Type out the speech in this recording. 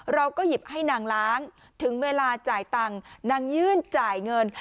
เราก็หยิบให้นางล้างถึงเวลาจ่ายตังค์นางยื่นจ่ายเงิน